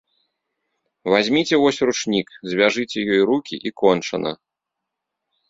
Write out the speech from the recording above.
Вазьміце вось ручнік, звяжыце ёй рукі, і кончана.